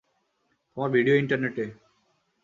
তোমার ভিডিও ইন্টারনেটে!